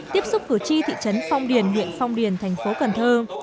tiếp xúc cử tri thị trấn phong điền huyện phong điền thành phố cần thơ